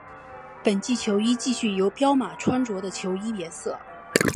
本季球衣继续由彪马穿着的球衣颜色。